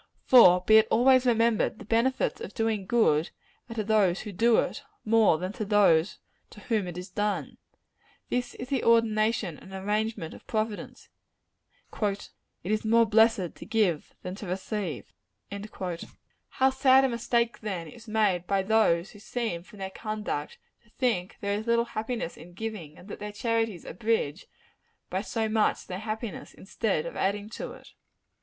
For be it always remembered the benefits of doing good are to those who do it, more than to those to whom it is done. This is the ordination and arrangement of Providence. "It is more blessed to give than to receive." How sad a mistake, then, is made by those who seem from their conduct to think there is little happiness in giving; and that their charities abridge, by so much, their happiness, instead of adding to it.